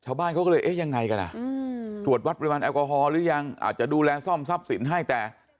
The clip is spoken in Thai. ชาวบ้านเขาก็เลยเอ๊ะยังไงกันอ่ะตรวจวัดปริมาณแอลกอฮอลหรือยังอาจจะดูแลซ่อมทรัพย์สินให้แต่